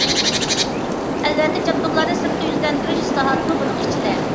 ئەلۋەتتە جابدۇقلارنى سىرتقا يۈزلەندۈرۈش ئىسلاھاتىمۇ بۇنىڭ ئىچىدە.